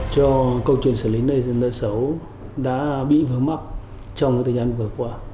cho câu chuyện xử lý nợ xấu đã bị vừa mắc trong thời gian vừa qua